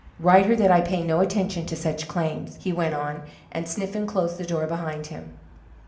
Write her that I pay no attention to such claims." He went out, and Sniffen closed the door behind him.